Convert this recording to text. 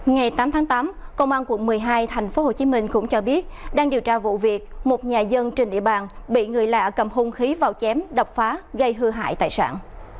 ngày tám tháng tám công an quận một mươi hai tp hcm cũng cho biết đang điều tra vụ việc một nhà dân trên địa bàn bị người lạ cầm hung khí vào chém đập phá gây hư hại tài sản